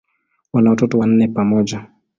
Wana watoto wanne pamoja.